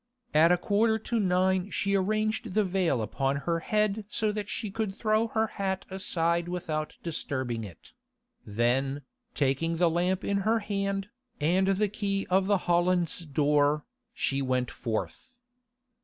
At a quarter to nine she arranged the veil upon her head so that she could throw her hat aside without disturbing it; then, taking the lamp in her hand, and the key of the Hollands' door, she went forth.